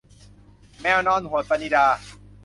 แมวนอนหวด - ปณิดา